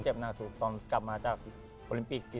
เจ็บหนักสูบตอนกลับมาจากโอลิปิกปี๒๐๐๘